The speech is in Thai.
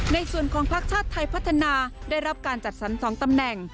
ในส่วนของภาคชาติไทยพัฒนาได้รับการจัดสรร๒ตำแหน่ง